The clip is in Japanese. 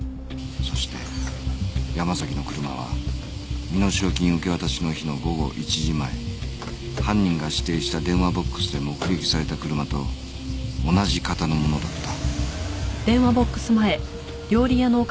そして山崎の車は身代金受け渡しの日の午後１時前犯人が指定した電話ボックスで目撃された車と同じ型のものだった